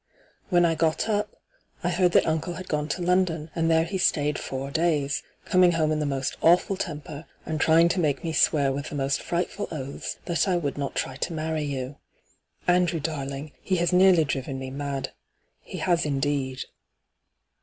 When I got up, I heard that uncle bad gone to London ; and there he stayed four days, coming home in the most awful temper, and trying to make me swear with the most frightful oaths that I would not try to marry you. Andrew darling, he has nearly driven me mad — he has indeed.'